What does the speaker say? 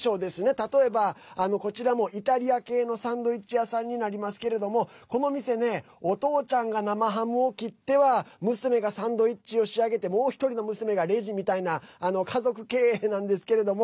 例えば、こちらもイタリア系のサンドイッチ屋さんになりますけれども、この店お父ちゃんが生ハムを切っては娘がサンドイッチを仕上げてもう１人の娘がレジみたいな家族経営なんですけれども。